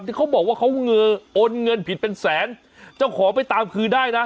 เขาบอกว่าเขาโอนเงินผิดเป็นแสนเจ้าของไปตามคืนได้นะ